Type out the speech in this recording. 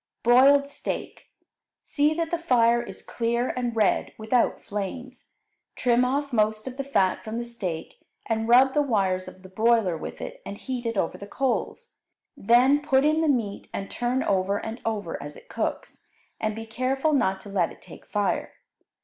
Broiled Steak See that the fire is clear and red, without flames. Trim off most of the fat from the steak, and rub the wires of the broiler with it and heat it over the coals. Then put in the meat and turn over and over as it cooks, and be careful not to let it take fire.